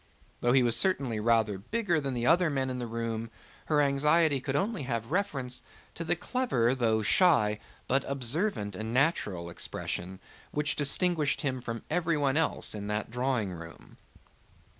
Though he was certainly rather bigger than the other men in the room, her anxiety could only have reference to the clever though shy, but observant and natural, expression which distinguished him from everyone else in that drawing room.